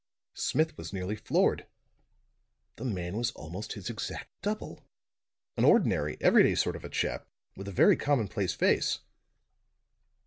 Smith was nearly floored. The man was almost his exact double; an ordinary, everyday sort of a chap, with a very commonplace face.